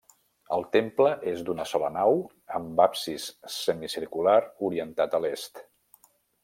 El temple és d'una sola nau amb absis semicircular orientat a l'est.